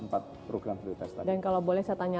program prioritas tadi dan kalau boleh saya tanya